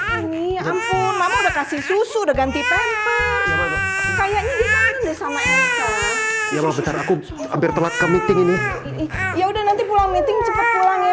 ini ampun udah kasih susu ganti pempel kayaknya sama ya udah nanti pulang meeting cepet pulang ya